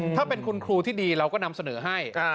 ถ้าเป็นคุณครูที่ดีเราก็นำเสนอให้